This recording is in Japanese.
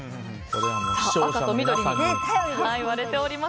赤と緑に割れております。